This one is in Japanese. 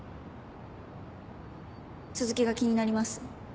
続きが気になります？